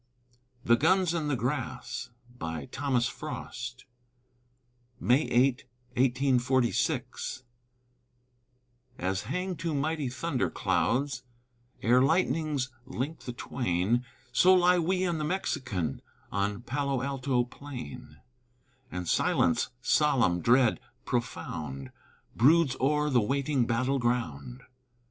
THE GUNS IN THE GRASS [May 8, 1846] As hang two mighty thunderclouds Ere lightnings link the twain, So lie we and the Mexican On Palo Alto plain; And silence, solemn, dread, profound, Broods o'er the waiting battle ground.